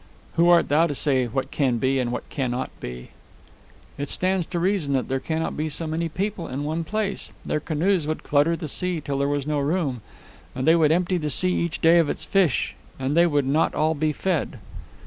"Who art thou to say what can be and what cannot be?" "It stands to reason there cannot be so many people in one place. Their canoes would clutter the sea till there was no room. And they could empty the sea each day of its fish, and they would not all be fed."